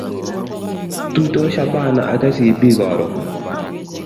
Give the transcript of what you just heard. Tuitos shabana ak Kcb karon